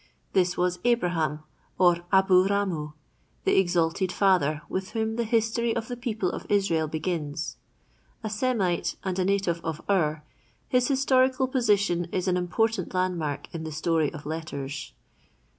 This was Abraham, or Abu ramu, "the exalted father" with whom the history of the people of Israel begins. A Semite, and a native of Ur, his historical position is an important landmark in the story of letters.